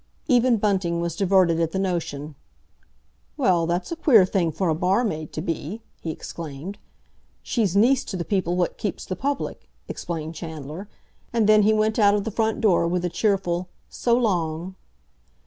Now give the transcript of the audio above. Even Bunting was diverted at the notion. "Well, that's a queer thing for a barmaid to be!" he exclaimed. "She's niece to the people what keeps the public," explained Chandler; and then he went out of the front door with a cheerful "So long!"